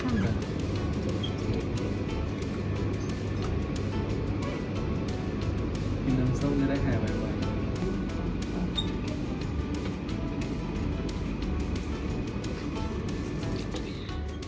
กินน้ำส้มก็ได้ไหว